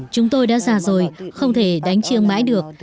chúng tôi đã già rồi không thể đánh chiêng mãi được